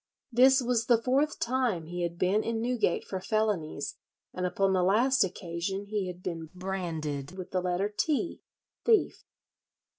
This was the fourth time he had been in Newgate for felonies, and upon the last occasion he had been branded with the letter T (thief).